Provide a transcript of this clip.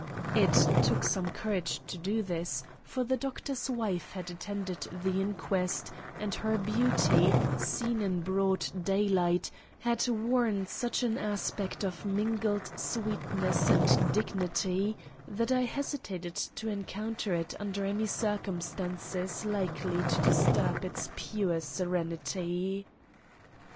It took some courage to do this, for the Doctor's wife had attended the inquest, and her beauty, seen in broad daylight, had worn such an aspect of mingled sweetness and dignity, that I hesitated to encounter it under any circumstances likely to disturb its pure serenity.